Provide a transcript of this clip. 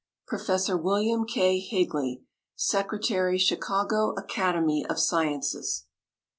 PROF. WILLIAM K. HIGLEY, Secretary Chicago Academy of Sciences.